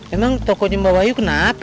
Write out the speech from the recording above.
emang tokonya mbak wahyu kenapa